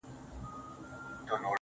• زنګ وهلی د خوشال د توري شرنګ یم.